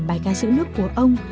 bài ca giữ nước của ông